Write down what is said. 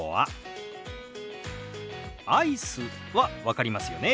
「アイス」は分かりますよね。